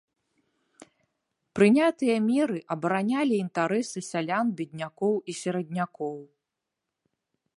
Прынятыя меры абаранялі інтарэсы сялян беднякоў і сераднякоў.